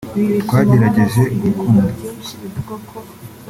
Twagerageje urukundo